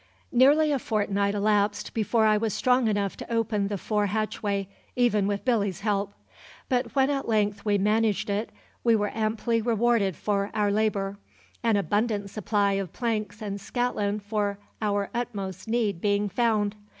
Nearly a fortnight elapsed before I was strong enough to open the fore hatchway, even with Billy's help; but when at length we managed it we were amply rewarded for our labour, an abundant supply of planks and scantling for our utmost need being found.